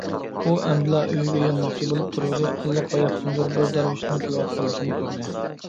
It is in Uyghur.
ئۇ ئەمدىلا ئۆيىگە يانماقچى بولۇپ تۇرۇۋىدى، ئاللىقاياقتىندۇر بىر دەرۋىشنىڭ كېلىۋاتقانلىقىنى كۆردى.